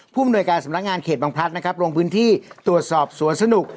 ผู้บริการสำระงานเขตบังพัฒน์นะครับโรงพื้นที่ตรวจสอบสวนสนุก